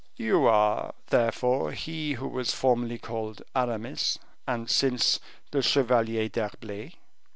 "You are, therefore, he who was formerly called Aramis, and since, the Chevalier d'Herblay?